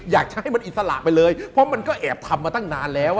อยากจะให้มันอิสระไปเลยเพราะมันก็แอบทำมาตั้งนานแล้ว